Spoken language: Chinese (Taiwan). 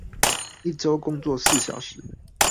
一週工作四小時